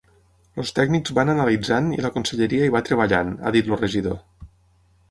Els tècnics van analitzant i la conselleria hi va treballant, ha dit el regidor.